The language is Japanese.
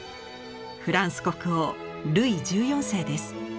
フランス国王ルイ１４世です。